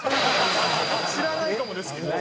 知らないかもですけど。